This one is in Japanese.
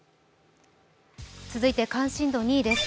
続いて関心度２位です。